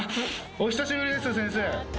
お久しぶりです、先生。